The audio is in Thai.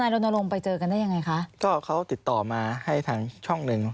ลงไปเจอกันได้ยังไงคะก็เขาติดต่อมาให้ทางช่องหนึ่ง